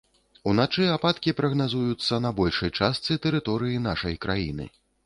Уначы ападкі прагназуюцца на большай частцы тэрыторыі нашай краіны.